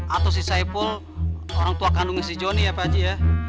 atau si saiful orang tua kandung si jonny ya paji ya